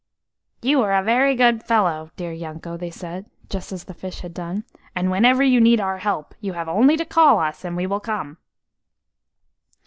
"You are a very good fellow, dear Yanko," they said, just as the fish had done, "and whenever you need our help you have only to call us, and we will come."